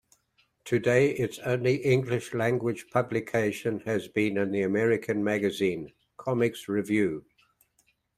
To date its only English-language publication has been in the American magazine "Comics Revue".